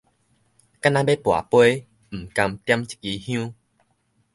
干焦欲跋桮，毋甘點一枝香